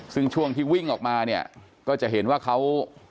ซึ่งช่วงที่วิ่งออกมาเนี่ยก็จะเห็นว่าเขา